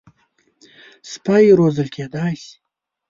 سپي روزل کېدای شي.